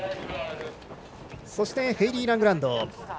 そして、ヘイリー・ラングランド。